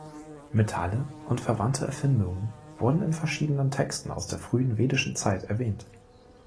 Metalle und verwandte Erfindungen wurden in verschiedenen Texten aus der frühen vedischen Zeit erwähnt.